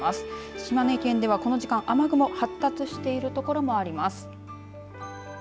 島根県ではこの時間、雨雲発達している所もあります。